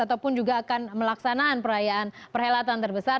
ataupun juga akan melaksanakan perayaan perhelatan terbesar